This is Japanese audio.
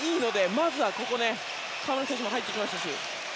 まずはここ河村選手も入ってきましたし。